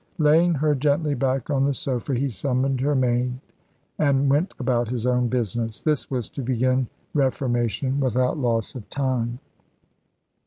Laying her gently back on the sofa, he summoned her maid, and went about his own business. This was to begin reformation without loss of time.